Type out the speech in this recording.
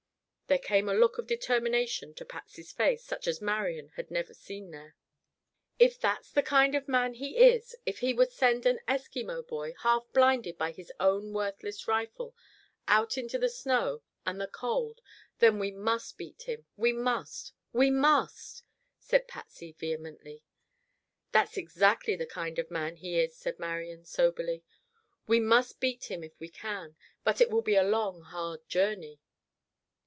There came a look of determination to Patsy's face such as Marian had never seen there. "If that's the kind of man he is; if he would send an Eskimo boy, half blinded by his own worthless rifle, out into the snow and the cold, then we must beat him. We must! We must!" said Patsy vehemently. "That's exactly the kind of man he is," said Marian soberly. "We must beat him if we can. But it will be a long, hard journey."